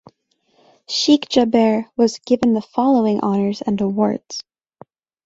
Sheikh Jaber was given the following honors and awards.